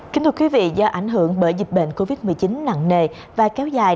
kính thưa quý vị do ảnh hưởng bởi dịch bệnh covid một mươi chín nặng nề và kéo dài